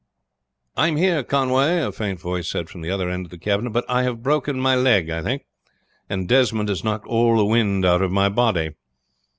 "I am here, Conway," a faint voice said from the other end of the cabin; "but I have broken my leg I think, and Desmond has knocked all the wind out of my body."